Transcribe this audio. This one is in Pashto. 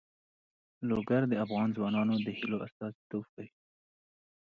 لوگر د افغان ځوانانو د هیلو استازیتوب کوي.